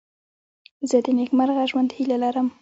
زه د نېکمرغه ژوند هیله لرم.